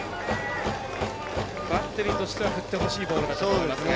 バッテリーとしては振ってほしいボールだったと思いますが。